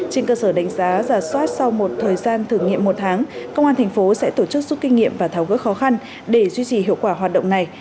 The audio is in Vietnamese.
trên cơ sở đánh giá giả soát sau một thời gian thử nghiệm một tháng công an thành phố sẽ tổ chức suốt kinh nghiệm và tháo gỡ khó khăn để duy trì hiệu quả hoạt động này